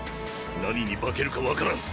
何に化けるか分からん。